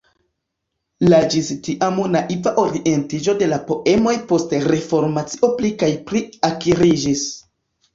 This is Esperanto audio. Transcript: La ĝis tiam naiva orientiĝo de la poemoj post Reformacio pli kaj pli akriĝis.